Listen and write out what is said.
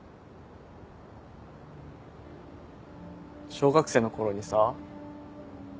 小学生の頃にさ。